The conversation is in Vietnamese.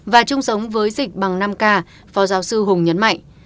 và chung sống với dịch bằng năm ca phó giáo sư hùng nhấn mạnh